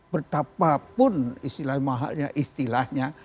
betapapun istilah mahalnya istilahnya